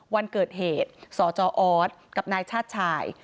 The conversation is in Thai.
วันเกิดเหตุสจออสกับนายชาติชาย